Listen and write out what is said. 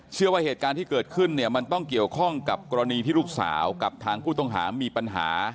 เชื่อว่าเหตุการณ์ที่เกิดขึ้นเนี่ยมันต้องเกี่ยวข้องกับกรณีที่ลูกสาวกับทางผู้ต้องหามีปัญหา